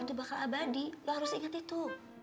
itu bakal abadi lo harus inget itu